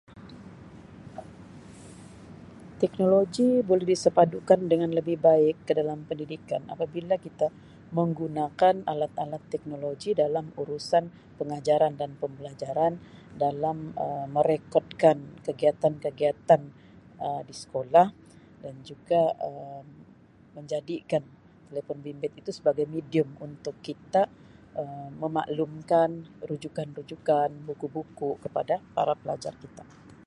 Teknologi boleh disepadukan dengan lebih baik ke dalam pendidikan apabila kita menggunakan alat-alat teknologi dalam urusan pengajaran dan pembelajaran dalam Um merekodkan kegiatan-kegiatan Um di sekolah dan juga Um menjadikan telefon bimbit itu sebagai medium untuk kita Um memaklumkan rujukan-rujukan, buku-buku kepada para pelajar kita.